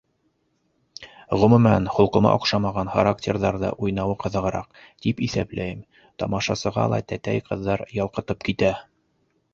Ғөмүмән, холҡома оҡшамаған характерҙарҙы уйнауы ҡыҙығыраҡ, тип иҫәпләйем, тамашасыға ла тәтәй ҡыҙҙар ялҡытып китә.